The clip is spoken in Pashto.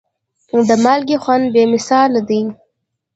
د مالګې خوند بې مثاله دی.